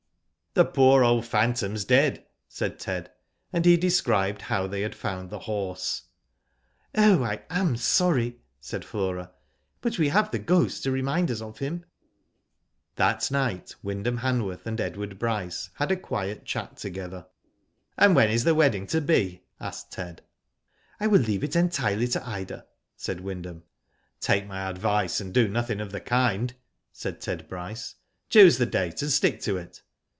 " The poor old phantom's dead," said Ted ; and he described how they had found the horse. " Oh, I am sorry," said Flora ;" but we have the Ghost to remind us of him." That night Wyndham Hanworth and Edward Bryce had a quiet chat together. Digitized byGoogk MUNDA ONCE MORE. 293 "And when is the wedding to be?" asked Ted. "I will leave it entirely to Ida," said Wynd* ham. "Take my advice and do nothing of the kind," said Ted Bryce. " Choose the date, and stick to it."